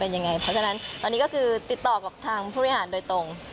เพราะฉะนั้นตอนนี้ก็คือติดต่อกับทางผู้บริหารโดยตรง